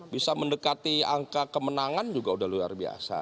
bisa mendekati angka kemenangan juga sudah luar biasa